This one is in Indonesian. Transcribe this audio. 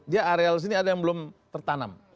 dia areal sini ada yang belum tertanam